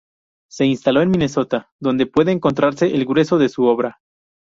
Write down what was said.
Se instaló en Minnesota, donde puede encontrarse el grueso de su obra.